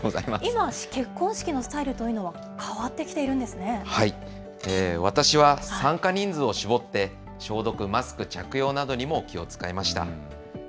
今、結婚式のスタイルという私は参加人数を絞って、消毒、マスク着用などにも気を遣いました。